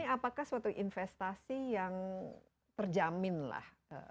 apakah suatu investasi yang terjamin lah